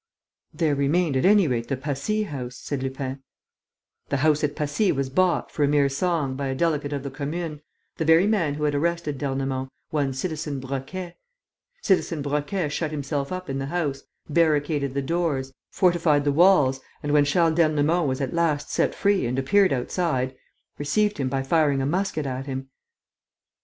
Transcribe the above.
"There remained, at any rate, the Passy house," said Lupin. "The house at Passy was bought, for a mere song, by a delegate of the Commune, the very man who had arrested d'Ernemont, one Citizen Broquet. Citizen Broquet shut himself up in the house, barricaded the doors, fortified the walls and, when Charles d'Ernemont was at last set free and appeared outside, received him by firing a musket at him.